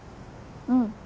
うん。